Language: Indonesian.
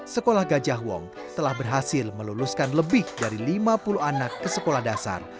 sekolah gajah wong telah berhasil meluluskan lebih dari lima puluh anak ke sekolah dasar